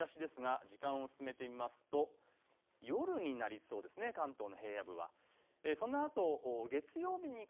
日曜日の雨の降りだしですが時間を進めてみますと夜になりそうですね、関東の平野部は。